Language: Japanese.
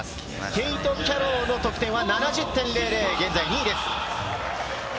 テイト・キャロウの得点は７０．００、現在２位です。